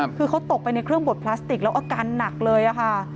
คือเขาตกไปในเครื่องบดพลาสติกแล้วอาการหนักเลยค่ะ